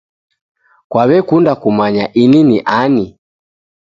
Kwawekunda kumanya ini ni ani